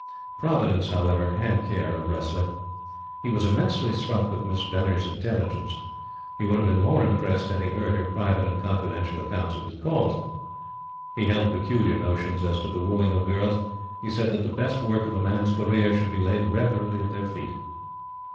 Providence, however, had care of Wressley. He was immensely struck with Miss Venner's intelligence. He would have been more impressed had he heard her private and confidential accounts of his calls. He held peculiar notions as to the wooing of girls. He said that the best work of a man's career should be laid reverently at their feet.